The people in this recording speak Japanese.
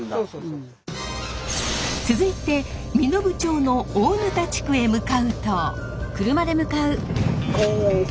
続いて身延町の大垈地区へ向かうと。